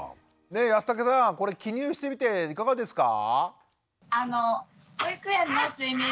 安武さんこれ記入してみていかがですか？